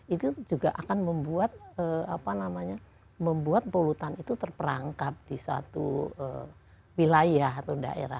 itu juga akan membuat apa namanya membuat polutan itu terperangkap di suatu wilayah atau daerah